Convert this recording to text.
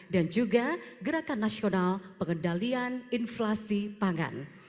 dan juga gerakan nasional pengendalian inflasi pangan